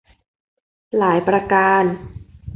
หลายประการ